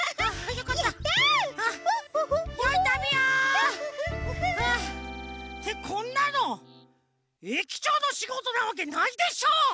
よいたびを！ってこんなの駅長のしごとなわけないでしょ！